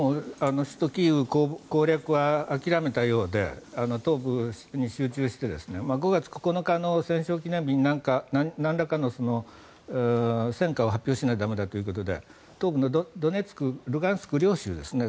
首都キーウ攻略は諦めたようで東部に集中して５月９日の戦勝記念日になんらかの戦果を発表しないと駄目だということで東部のドネツク、ルハンシク両州ですね